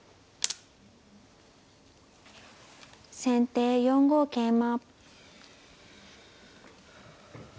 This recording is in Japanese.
先手４五桂馬。